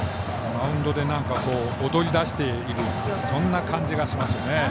マウンドで躍りだしているそんな感じがしますね。